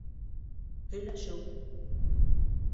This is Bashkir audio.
Һөйләшеү